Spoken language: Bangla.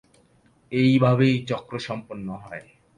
এইভাবেই চক্র সম্পন্ন হয়।